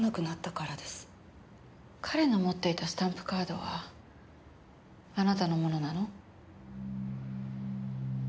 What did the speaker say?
彼の持っていたスタンプカードはあなたのものなの？